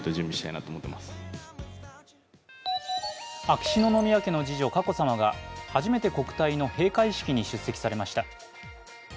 秋篠宮家の次女・佳子さまが初めて国体の閉会式に出席されました。